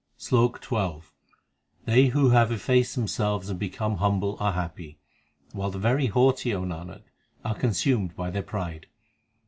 SLOK XII They who have effaced themselves and become humble are happy, While the very haughty, O Nanak, are consumed by their pride.